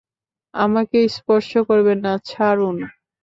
আমাকে স্পর্শ করবেন না, ছাড়ুন।